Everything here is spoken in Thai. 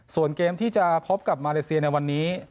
ส่วนเกมที่จะพบกับมาเลเซียในวันนี้